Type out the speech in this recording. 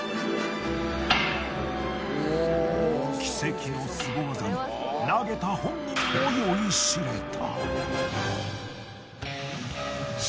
奇跡のスゴ技に投げた本人も酔いしれた！